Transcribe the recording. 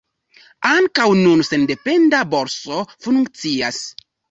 Ankaŭ nun sendependa borso funkcias.